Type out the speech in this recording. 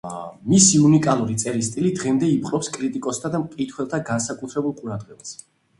მისი უნიკალური წერის სტილი დღემდე იპყრობს კრიტიკოსთა და მკითხველთა განსაკუთრებულ ყურადღებას.